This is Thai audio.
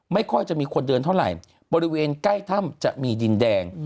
ไม่ค่อยจะมีคนเดินเท่าไหร่บริเวณใกล้ถ้ำจะมีดินแดง